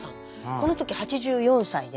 この時８４歳で。